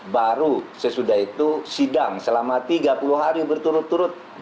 baru sesudah itu sidang selama tiga puluh hari berturut turut